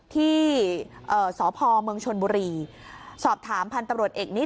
เอ่อสพเมืองชนบุรีสอบถามพันธุ์ตำรวจเอกนิด